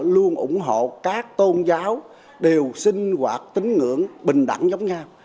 luôn ủng hộ các tôn giáo đều sinh hoạt tính ngưỡng bình đẳng giống nhau